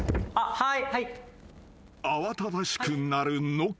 はい。